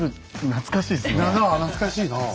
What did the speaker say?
懐かしいなあ。